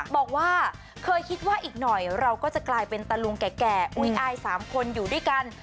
บอกว่าเคยคิดว่าอีกหน่อยเราก็จะกลายเป็นตะลุงแก่อุ๊ยอาย๓คนอยู่ด้วยกัน